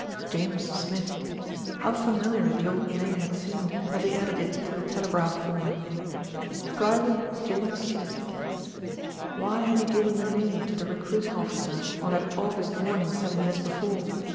"James Smith!" How familiar the old name had seemed as he added it to the telegraph form. "Private James Smith." Why had he given the name to the 14 THE RETURN OF ALFRED recruiting officer on that August morning seven years before?